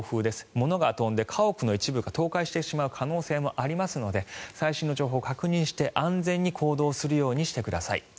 物が飛んで家屋の一部が倒壊してしまう可能性もありますので最新の情報を確認して安全に行動するようにしてください。